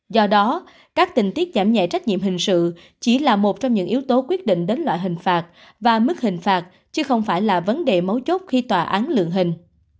do đó các tình tiết giảm nhẹ trách nhiệm hình sự chỉ là một trong những yếu tố quyết định đến loại hình phạt và mức hình phạt chứ không phải là vấn đề mấu chốt khi tòa án lượng hình